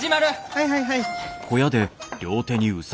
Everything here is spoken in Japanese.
はいはいはい！